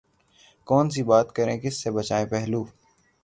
کون سی بات کریں کس سے بچائیں پہلو